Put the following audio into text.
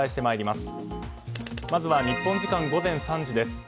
まずは日本時間午前３時です。